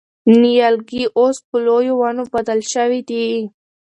نیالګي اوس په لویو ونو بدل شوي دي.